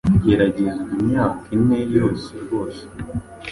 ageragezwa imyaka ine yose rwose.